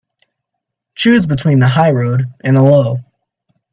Choose between the high road and the low.